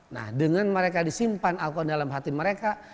nah dengan mereka disimpan alkoho dalam hati mereka